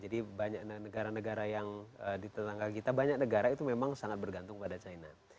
jadi banyak negara negara yang di tetangga kita banyak negara itu memang sangat bergantung pada china